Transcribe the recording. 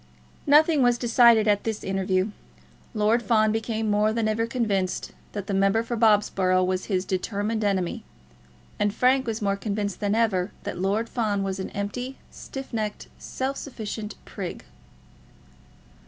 Nothing was decided at this interview. Lord Fawn became more than ever convinced that the member for Bobsborough was his determined enemy, and Frank was more convinced than ever that Lord Fawn was an empty, stiff necked, self sufficient prig.